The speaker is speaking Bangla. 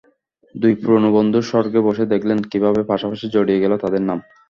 দুই পুরোনো বন্ধু স্বর্গে বসে দেখলেন, কীভাবে পাশাপাশি জড়িয়ে গেল তাঁদের নাম।